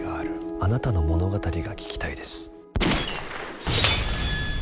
あなたの物語が聞きたいです。